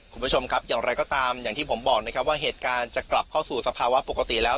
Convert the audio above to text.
คุณผู้ชมครับอย่างไรก็ตามอย่างที่ผมบอกนะครับว่าเหตุการณ์จะกลับเข้าสู่สภาวะปกติแล้ว